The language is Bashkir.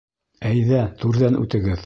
Әйҙә, түрҙән үтегеҙ!